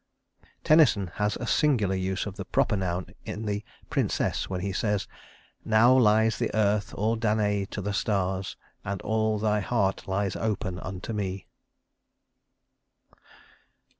Tennyson has a singular use of the proper noun in the "Princess" when he says: "Now lies the Earth all Danaë to the stars, And all thy heart lies open unto me."